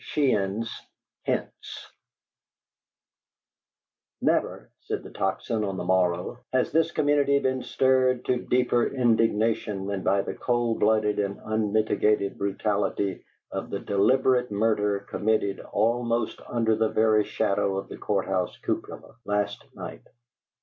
SHEEHAN'S HINTS "Never," said the Tocsin on the morrow, "has this community been stirred to deeper indignation than by the cold blooded and unmitigated brutality of the deliberate murder committed almost under the very shadow of the Court house cupola last night.